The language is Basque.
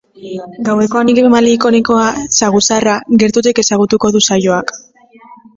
Gaueko animalia ikonikoa, saguzarra, gertutik ezagutuko du saioak.